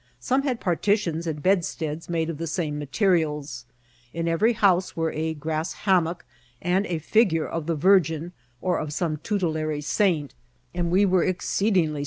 Some had partitions and bed steads made of the same materials ; in every house were a grass hammock and a figure of the Virgin or of some tutelary saint ; and we were exceedingly ▲ CA&IB OBONB.